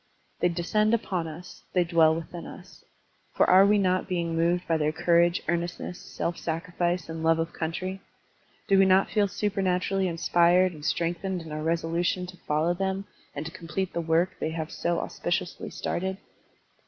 They descend upon us, they dwell within us ; for are we not being moved by their courage, earnestness, self sacrifice, and love of country? Do we not feel supematurally inspired and strengthened in our resolution to follow them and t6 complete the work they have so auspiciously started?